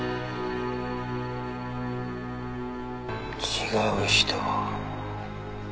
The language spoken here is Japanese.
「違う人」。